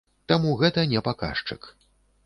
Таму гэта не паказчык.